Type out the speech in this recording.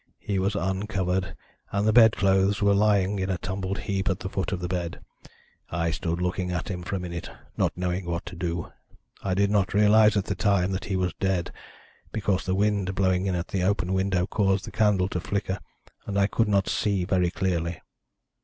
He was uncovered, and the bed clothes were lying in a tumbled heap at the foot of the bed. I stood looking at him for a minute, not knowing what to do. I did not realise at the time that he was dead, because the wind blowing in at the open window caused the candle to flicker, and I could not see very clearly.